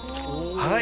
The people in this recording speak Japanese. はい。